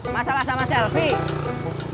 masalah sama selfie